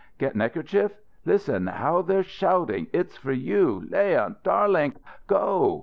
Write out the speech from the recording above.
Got neckerchief? Listen how they're shouting it's for you Leon darlink go!"